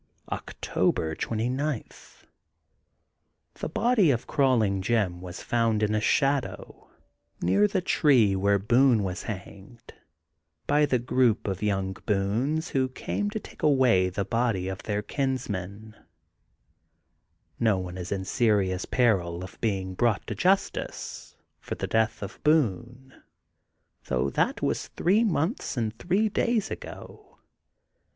October 29: — ^The body of Crawling Jim was found in a shadow, near the tree where 296 THE GOLDEN BOOK OF SPRINGFIELD Boone was hanged, by the group of young Boones who came to take away the body of their kinsman. No one is in serious peril of being brought to justice for the death of Boone, though that was three months and three days ago.